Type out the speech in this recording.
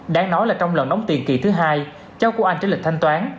đáng nói là trong lần đóng tiền kỳ thứ hai cháu của anh trên lịch thanh toán